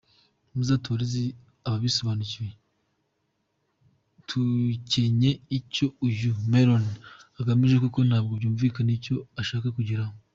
Muzatubarize ababisobanukiwe tukenye icyo uyu Meron agamije kuko ntabwo byumvikana icyo ashaka kugeraho.